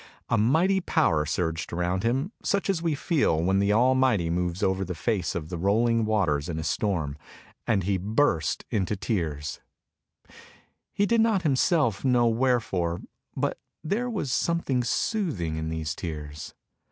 A mighty power surged around him, such as we feel when the Almighty moves over the face of the rolling waters in a storm, and he burst into tears; he did not himself know wherefore, but there was some soothing in these tears.